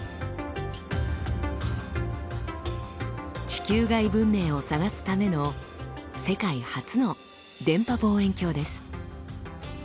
地球外文明を探すための世界初の電波望遠鏡です。